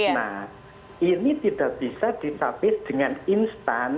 nah ini tidak bisa disapis dengan instan